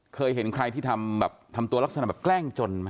เคยเห็นใครที่ทำแบบทำตัวลักษณะแบบแกล้งจนไหม